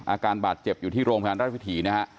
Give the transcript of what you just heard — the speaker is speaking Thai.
อาการบาดเจ็บอยู่ที่โรงพยาบาลราชวิถีนะฮะ